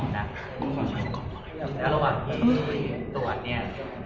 แล้วระหว่างที่ตรวจเนี่ย